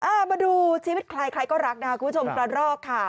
มาดูชีวิตใครใครก็รักนะคะคุณผู้ชมกระรอกค่ะ